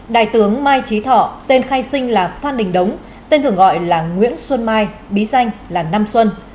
đại tướng mai trí thọ tên khai sinh là phan đình đống tên thường gọi là nguyễn xuân mai bí danh là nam xuân